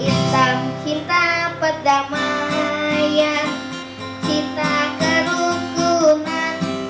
istan cinta padamaya cinta kerukunan